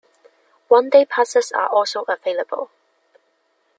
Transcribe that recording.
One day passes are also available.